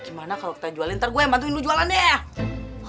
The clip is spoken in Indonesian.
gimana kalau kita jualin ntar gue yang bantuin lo jualan deh